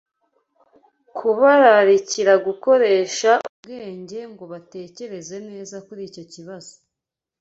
kubararikira gukoresha ubwenge ngo batekereze neza kuri icyo kibazo